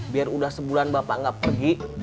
biar udah sebulan bapak nggak pergi